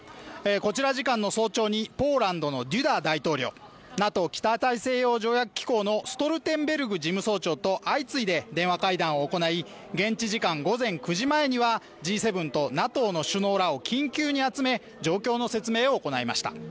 こちら時間の早朝にポーランドのドゥダ大統領、ＮＡＴＯ＝北大西洋条約機構のストルテンベルグ事務総長と相次いで電話会談を行い、現地時間午前９時前にはＧ７とＮＡＴＯの首脳らを緊急に集め状況の説明を行いました。